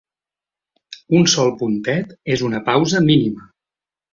Un sol puntet és una pausa mínima.